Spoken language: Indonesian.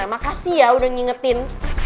makasih ya udah ngingetin